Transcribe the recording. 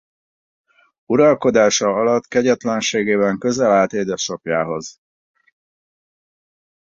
Uralkodása alatt kegyetlenségében közel állt édesapjához.